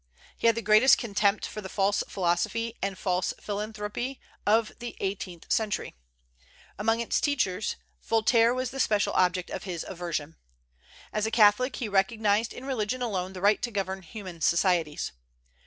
He had the greatest contempt for the false philosophy and false philanthropy of the eighteenth century. Among its teachers, Voltaire was the special object of his aversion. As a Catholic, he recognized in religion alone the right to govern human societies.